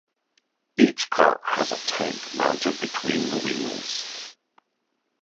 Each car has a tank mounted between the wheels.